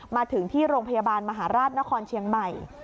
มาถึงที่โรงพยาบาลมหาราชนครเชียงใหม่